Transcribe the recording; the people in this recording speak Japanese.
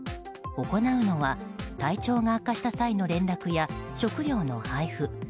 行うのは体調が悪化した際の連絡や食料の配布。